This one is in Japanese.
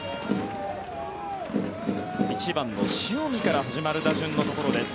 １番の塩見から始まる打順のところです。